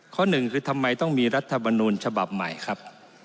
หนึ่งคือทำไมต้องมีรัฐมนูลฉบับใหม่ครับ